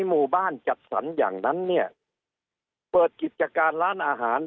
หมู่บ้านจัดสรรอย่างนั้นเนี่ยเปิดกิจการร้านอาหาร